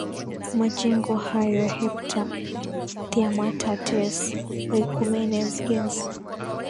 majengo hayo hepta theamata tes oikumenes ges